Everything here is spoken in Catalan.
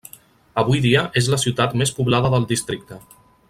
Avui dia és la ciutat més poblada del districte.